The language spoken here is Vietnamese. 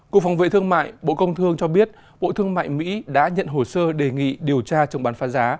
cục phòng vệ thương mại bộ công thương cho biết bộ thương mại mỹ đã nhận hồ sơ đề nghị điều tra chống bán phá giá